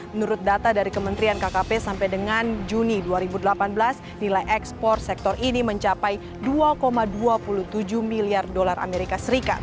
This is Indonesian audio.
menurut data dari kementerian kkp sampai dengan juni dua ribu delapan belas nilai ekspor sektor ini mencapai dua dua puluh tujuh miliar dolar as